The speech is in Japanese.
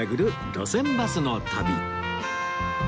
『路線バスの旅』